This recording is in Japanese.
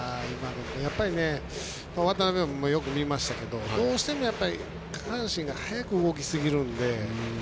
渡邉君もよく見ましたけどどうしても、下半身が早く動きすぎるので。